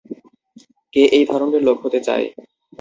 কে এই ধরনের লোক হতে চায়?